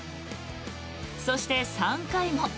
そして、３回も。